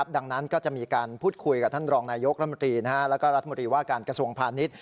ดังนั้นก็จะมีการพูดคุยกับท่านรองนายกรัฐมนตรีแล้วก็รัฐมนตรีว่าการกระทรวงพาณิชย์